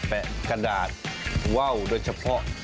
แปะกระดาษว่าวโดยเฉพาะ